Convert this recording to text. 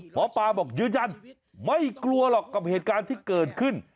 หมอปลาบอกยืนยันไม่กลัวหรอกกับเหตุการณ์ที่เกิดขึ้น